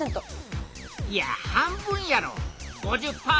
いや半分やろ。